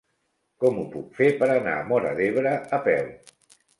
Com ho puc fer per anar a Móra d'Ebre a peu?